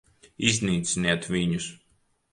Iznīciniet viņus!